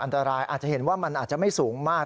อาจจะเห็นว่ามันอาจจะไม่สูงมาก